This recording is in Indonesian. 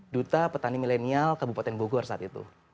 duta petani milenial kabupaten bogor saat itu